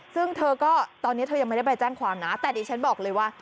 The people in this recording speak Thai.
ซึ่งเธอก็ตอนนี้เธอยังไม่ได้ไปแจ้งความนะแต่ดิฉันบอกเลยว่า